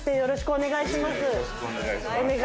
お願いします。